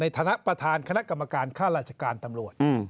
ฐานะประธานคณะกรรมการค่าราชการตำรวจ